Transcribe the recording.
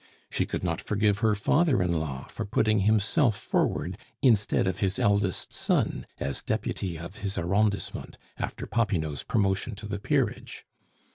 She could not forgive her father in law for putting himself forward instead of his eldest son as deputy of his arrondissement after Popinot's promotion to the peerage.